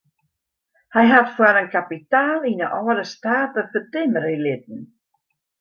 Hy hat foar in kapitaal yn de âlde state fertimmerje litten.